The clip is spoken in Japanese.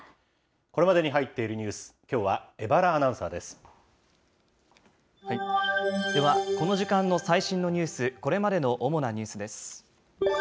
これまでに入っているニュース、では、この時間の最新のニュース、これまでの主なニュースです。